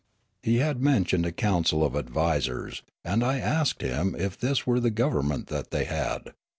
He had mentioned a council of advisers, and I asked him if this weie the government that they had.